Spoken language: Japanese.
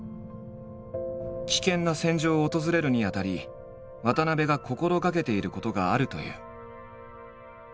危険な戦場を訪れるにあたり渡部が心がけていることがあるという。